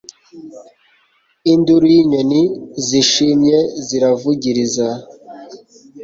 induru yinyoni zishimye ziravugiriza